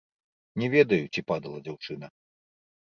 Не ведаю, ці падала дзяўчына.